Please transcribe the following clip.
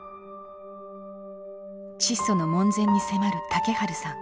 チッソの門前に迫る武春さん。